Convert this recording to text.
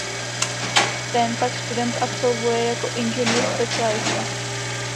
Ten pak student absolvuje jako "Inženýr specialista".